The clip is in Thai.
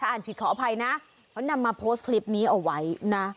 อ่านผิดขออภัยนะเขานำมาโพสต์คลิปนี้เอาไว้นะ